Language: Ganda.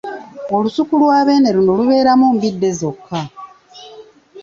Olusuku lwa Beene luno lubeeramu mbidde zokka.